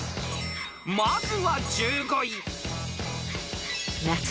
［まずは１５位］